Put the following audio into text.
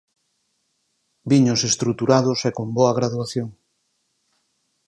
Viños estruturados e con boa graduación.